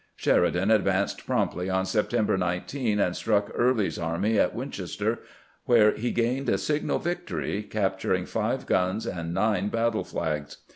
Sheridan advanced promptly on September 19, and struck Early's army at Winchester, where he gained a signal victory, capturing five guns and nine battle flags.